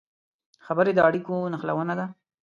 خبرې د اړیکو نښلونه ده